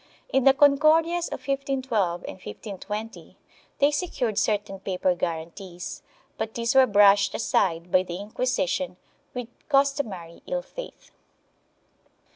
In the Concordias of 1512 and 1520 they secured certain paper guarantees, but these were brushed aside by the Inquisition with customary ill faith.